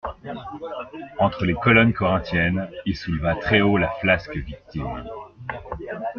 Entre les colonnes corinthiennes, il souleva très haut la flasque victime.